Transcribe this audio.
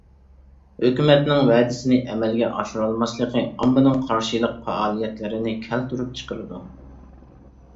ھۆكۈمەتنىڭ ۋەدىسىنى ئەمەلگە ئاشۇرالماسلىقى ئاممىنىڭ قارشىلىق پائالىيەتلىرىنى كەلتۈرۈپ چىقىرىدۇ.